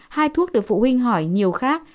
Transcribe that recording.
hai thuốc được phụ huynh hỏi nhiều khác